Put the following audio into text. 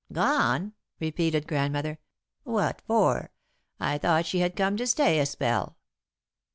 "Gone!" repeated Grandmother. "What for? I thought she had come to stay a spell."